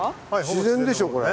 自然でしょこれ。